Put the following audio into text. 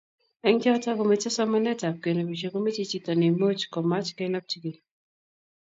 eng choto ,komechei somanetab cheginobishe komeche chito nemuch komach kenopchi kiiy